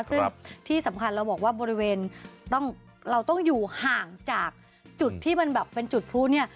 ซึ่งที่สำคัญเราบอกว่าบริเวณเราต้องอยู่ห่างจากจุดที่มันแบบเป็นจุดพลุเนี่ย